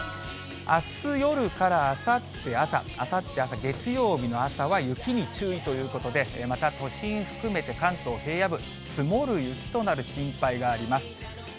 あす夜からあさって朝、あさって朝、月曜日の朝は雪に注意ということで、また都心含めて関東平野部、積もる雪となる心配があります。